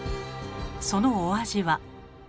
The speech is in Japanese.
そのお味は。